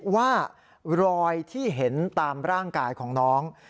ว่ารอยที่เห็นตามร่างกายของน้อง